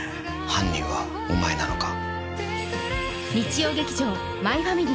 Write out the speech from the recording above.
犯人はお前なのか？